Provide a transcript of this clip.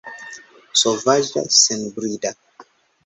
Sovaĝa, senbrida!